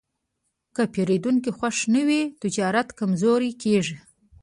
که پیرودونکی خوښ نه وي، تجارت کمزوری کېږي.